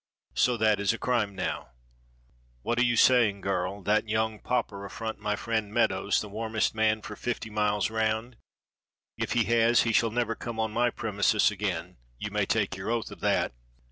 So that is a crime now." "What are you saying, girl? That young pauper affront my friend Meadows, the warmest man for fifty miles round. If he has, he shall never come on my premises again. You may take your oath of that."